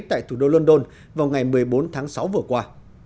tại thủ đô london vào ngày một mươi bốn tháng sáu vừa qua